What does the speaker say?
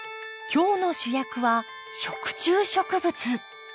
今日の主役は食虫植物。